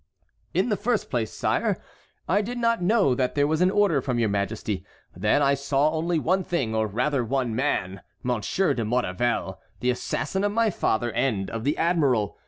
"In the first place, sire, I did not know that there was an order from your Majesty; then I saw only one thing, or rather one man, Monsieur de Maurevel, the assassin of my father and of the admiral.